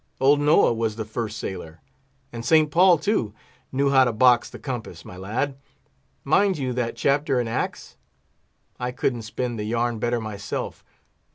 Old Noah was the first sailor. And St. Paul, too, knew how to box the compass, my lad! mind you that chapter in Acts? I couldn't spin the yarn better myself.